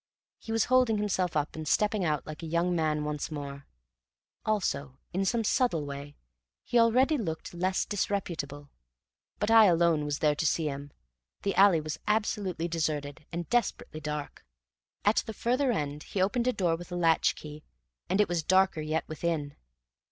He was holding himself up and stepping out like a young man once more; also, in some subtle way, he already looked less disreputable. But I alone was there to see him, the alley was absolutely deserted, and desperately dark. At the further end he opened a door with a latch key, and it was darker yet within.